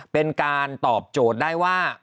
เป็นการตอบโจทย์ได้ว่า